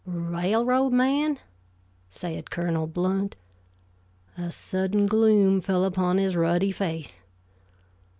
"Railroad man?" said Colonel Blount. A sudden gloom fell upon his ruddy face.